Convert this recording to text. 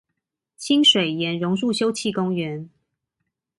清水巖榕樹休憩公園